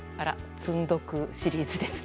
積んどくシリーズですね。